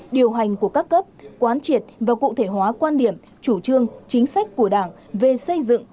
điều hành của các cấp quán triệt và cụ thể hóa quan điểm chủ trương chính sách của đảng về xây dựng